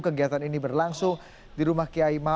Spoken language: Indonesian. kegiatan ini berlangsung di rumah kiai maruf